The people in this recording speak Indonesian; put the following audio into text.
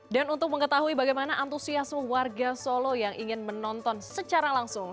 untuk mengetahui bagaimana antusiasme warga solo yang ingin menonton secara langsung